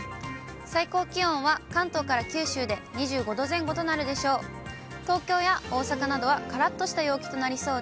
最高気温は関東から九州で２５度前後となるでしょう。